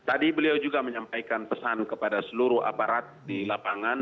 tadi beliau juga menyampaikan pesan kepada seluruh aparat di lapangan